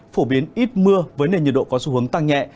phổ biến ít mưa với nền nhiệt độ có xu hướng tăng nhẹ